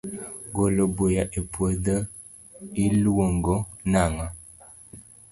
golo buya e puodho i luongo nango?